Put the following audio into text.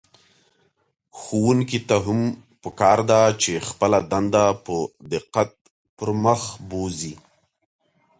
ښوونکي ته هم په کار ده چې خپله دنده په دقت پر مخ بوځي.